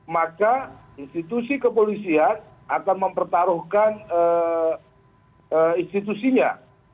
maka institusi kepolisian akan mempertaruhkan institusinya